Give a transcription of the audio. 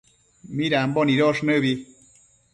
midambo nidosh nëbi